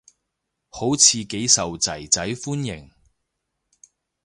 好似幾受囝仔歡迎